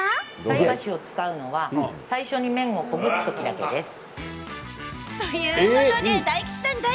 菜箸を使うのは最初に麺をほぐすときだけです。